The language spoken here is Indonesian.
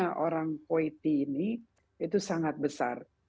karena barang kuwaiti ini itu sangat besar